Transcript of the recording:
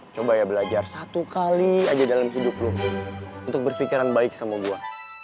coba ya belajar satu kali aja dalam hidup lo untuk berpikiran baik sama gue